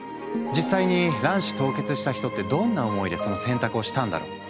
実際に卵子凍結した人ってどんな思いでその選択をしたんだろう？